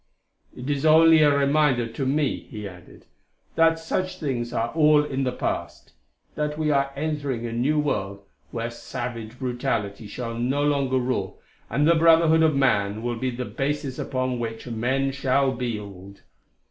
"It is only a reminder to me," he added, "that such things are all in the past; that we are entering a new world where savage brutality shall no longer rule, and the brotherhood of man will be the basis upon which men shall build."